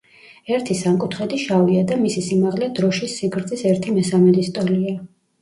ერთი სამკუთხედი შავია და მისი სიმაღლე დროშის სიგრძის ერთი მესამედის ტოლია.